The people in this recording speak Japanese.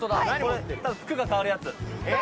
服が変わるやつだ。